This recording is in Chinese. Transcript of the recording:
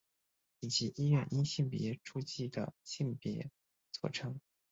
以及医院因性别注记的性别错称。